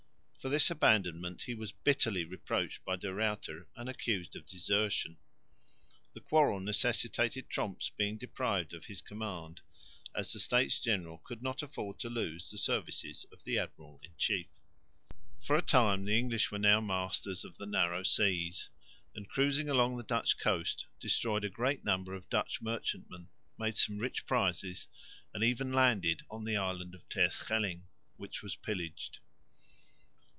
For this abandonment he was bitterly reproached by De Ruyter and accused of desertion. The quarrel necessitated Tromp's being deprived of his command, as the States General could not afford to lose the services of the admiral in chief. For a time the English were now masters of the narrow seas, and, cruising along the Dutch coast, destroyed a great number of Dutch merchantmen, made some rich prizes and even landed on the island of Terschelling, which was pillaged.